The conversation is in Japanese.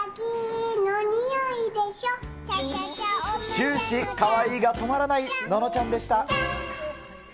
終始、かわいいが止まらないののちゃんでした。